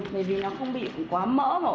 bởi vì nó không bị quá mỡ